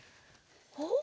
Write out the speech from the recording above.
おっ？